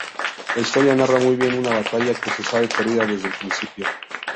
La historia narra muy bien una batalla que se sabe perdida desde el principio.